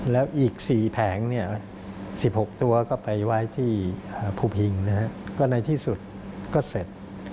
แล้วอีก๔แผงเนี่ย๑๖ตัวก็ไปไว้ที่ภูมิหญิงนะครับก็ในที่สุดก็เสร็จ